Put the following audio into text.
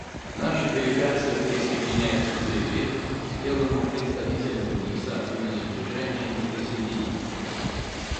Наша делегация присоединяется к заявлению, сделанному представителем Туниса от имени Движения неприсоединения.